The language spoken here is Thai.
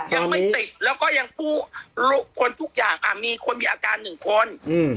ยังไม่ติดแล้วก็ยังผู้คนทุกอย่างอ่ะมีคนมีอาการหนึ่งคนอืม